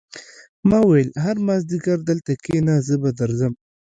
ما وویل هر مازدیګر دلته کېنه زه به درځم